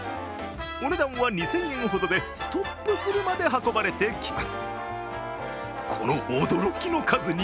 お値段は２０００円ほどでストップするまで運ばれてきます。